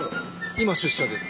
今出社です。